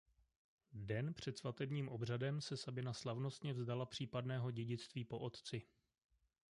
Den před svatebním obřadem se Sabina slavnostně vzdala případného dědictví po otci.